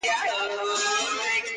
د خوبونو له گردابه يې پرواز دی!